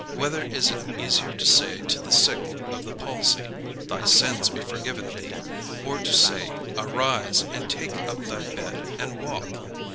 Whether is it easier to say to the sick of the palsy, 'Thy sins be forgiven thee;' or to say, 'Arise, and take up thy bed, and walk?'